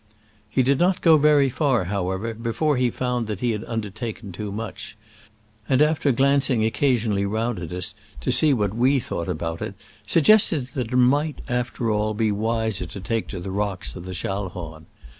He did not go very far, however, be fore he found that he had undertaken too much, and after [glancing occasion ally round at us, to see what we thought about it, suggested that it might, after all, be wiser to take to the rocks of the Schallhorn]